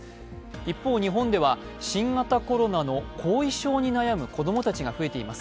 一方、日本では新型コロナの後遺症に悩む子供たちが増えています。